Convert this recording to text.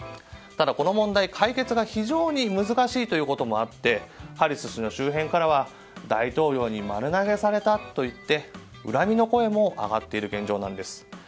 ただ、この問題の解決が非常に難しいということもあってハリス氏の周辺からは大統領に丸投げされたといった恨みの声も上がっている現状なんです。